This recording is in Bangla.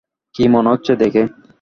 কী মনে হচ্ছে দেখে?